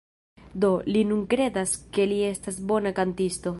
Do, li nun kredas, ke li estas bona kantisto